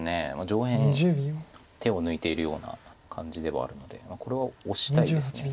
上辺手を抜いているような感じではあるのでこれはオシたいですそこ。